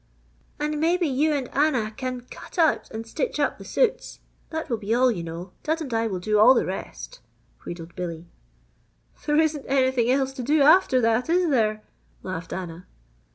"And maybe you and Anna can cut out and stitch up the suits that will be all, you know. Dud and I will do all the rest," wheedled Billy. "There isn't anything else to do after that, is there?" laughed Anna.